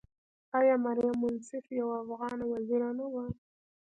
آیا مریم منصف یوه افغانه وزیره نه وه؟